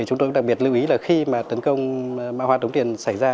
chúng tôi đặc biệt lưu ý là khi mà tấn công mã hóa tống tiền xảy ra